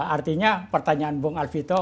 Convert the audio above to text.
artinya pertanyaan bung alfito